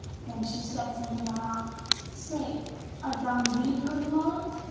Then she said to Ni'amah, "Say, art thou indeed her lord?"